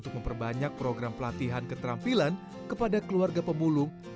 untuk memperbanyak program pelatihan keterampilan kepada keluarga pemulung